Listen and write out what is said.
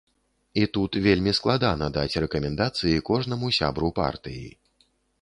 І тут вельмі складана даць рэкамендацыі кожнаму сябру партыі.